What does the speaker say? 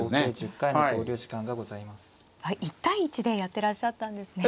１対１でやってらっしゃったんですね。